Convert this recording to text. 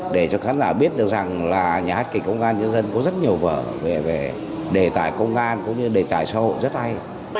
để cho khán giả biết được rằng là nhà hát kịch công an nhân dân có rất nhiều vở về đề tài công an cũng như đề tài xã hội rất hay